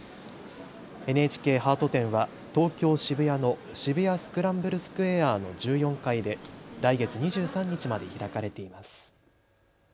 ＮＨＫハート展は東京渋谷の渋谷スクランブルスクエアの１４階で来月２３日まで開かれています。